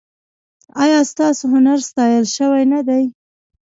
ایا ستاسو هنر ستایل شوی نه دی؟